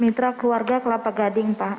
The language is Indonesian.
mitra keluarga kelapa gading pak